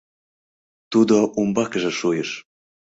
Тудо умбакыже шуйыш: